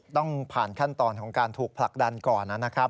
ต้องผ่านขั้นตอนของการถูกผลักดันก่อนนะครับ